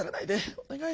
お願い。